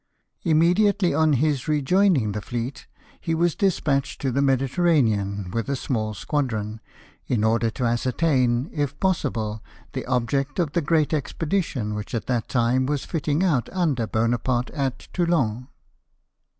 Immediately on his rejoining the fleet he was despatched to the Mediterranean with a smaU 126 LIFE OF NELJ^OJS/. squadron, in order to ascertain, if possible, the object of the* great expedition which at that time was fitting out under Bonaparte at Toulon.